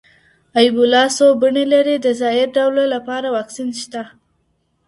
اېبولا څو بڼې لري، د زایر ډوله لپاره واکسین شته.